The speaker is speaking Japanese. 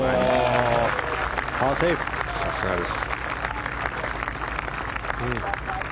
さすがです。